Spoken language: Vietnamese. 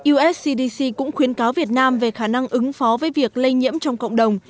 us cdc cũng khuyến cáo việt nam về khả năng ứng phó với việc lây nhiễm trong cộng đồng